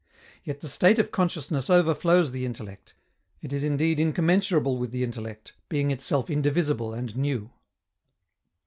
Yet the state of consciousness overflows the intellect; it is indeed incommensurable with the intellect, being itself indivisible and new.